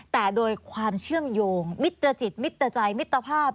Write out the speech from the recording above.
แต่โดยความเชื่อมโยงมิตรจิตมิตรใจมิตรภาพ